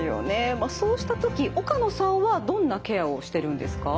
まあそうした時岡野さんはどんなケアをしてるんですか？